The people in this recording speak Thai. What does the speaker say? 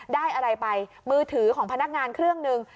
ได้อะไรไปมือถือของพนักงานเครื่องหนึ่ง